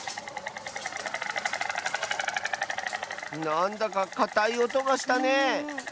なんだかかたいおとがしたね。